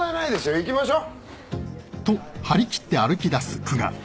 行きましょう。